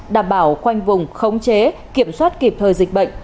đảm bảo khoanh vùng khống chế kiểm soát kịp thời dịch bệnh